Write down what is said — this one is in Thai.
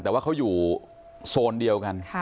แต่ว่าเขาอยู่โซนเดียวกัน